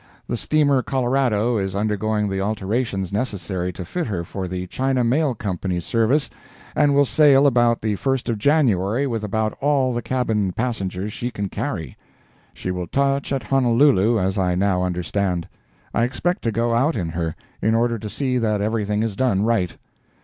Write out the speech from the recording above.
The steamer Colorado is undergoing the alterations necessary to fit her for the China Mail Company's service, and will sail about the first of January with about all the cabin passengers she can carry. She will touch at Honolulu, as I now understand. I expect to go out in her, in order to see that everything is done right.